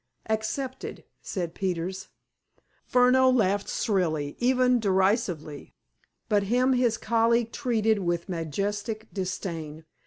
"Accepted," said Peters. Furneaux laughed shrilly, even derisively, but him his colleague treated with majestic disdain.